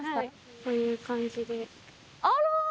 こういう感じで。